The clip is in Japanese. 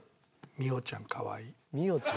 「美桜ちゃんかわいい」？